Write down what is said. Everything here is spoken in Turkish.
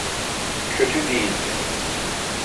Kötü değildi.